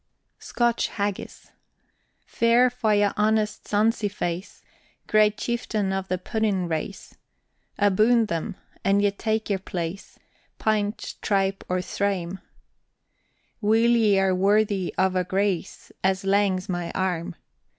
SCOTCH HAGGIS. Fair fa' your honest sonsie face, Great chieftain o' the puddin' race; Aboon them a' ye tak your place, Painch, tripe, or thairm, Weel are ye wordy of a grace As langs my arm.